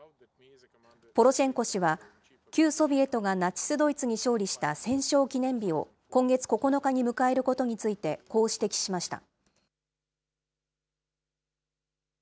ポロシェンコ氏は、旧ソビエトがナチス・ドイツに勝利した戦勝記念日を今月９日に迎えることについて、こう指摘しました。